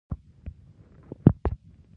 لارډ لیټن لیکلی پیغام کابل ته واستاوه.